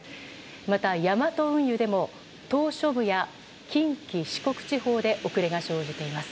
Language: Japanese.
また、ヤマト運輸でも島しょ部や近畿・四国地方で遅れが生じています。